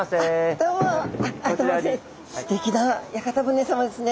すてきな屋形船さまですね。